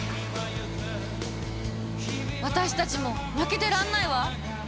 私たちも負けてらんないわ！